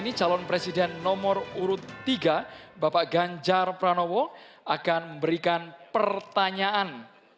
jadi calon presiden nomor urut tiga bapak ganjar pranowo akan memberikan pertanyaan